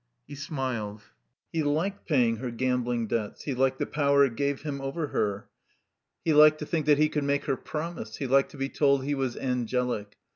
He smiled. He liked paying her gambling debts. He liked the power it gave him over her. He liked to think that he could make her promise. He liked to be told he was angelic.